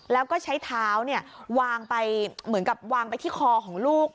แล้วก็ใช้เท้าวางไปเหมือนกับวางไปที่คอของลูก